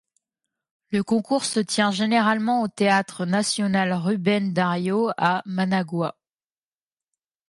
Le concours se tient généralement au Théâtre national Rubén Dario à Managua.